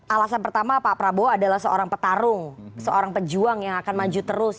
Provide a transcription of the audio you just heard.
alasan pertama pak prabowo adalah seorang petarung seorang pejuang yang akan maju terus